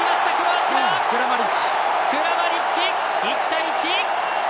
１対１！